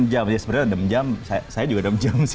enam jam aja sebenarnya enam jam saya juga enam jam sih